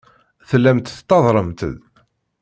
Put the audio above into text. Tellamt tettadremt-d.